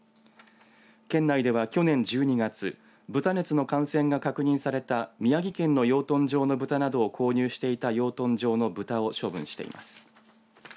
県内では、去年１２月豚熱の感染が確認された宮城県の養豚場のブタなどを購入していた養豚場のブタを処分しています。